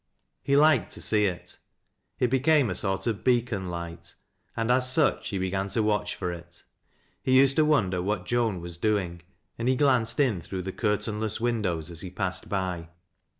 He liked to see it. It became a sort of beacon light, and as such he began to watch for it. He used to wonder what Joar was doing, and he glanced in through the curtaiiiless win dows as he passed by.